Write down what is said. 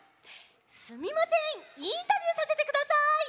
すみませんインタビューさせてください！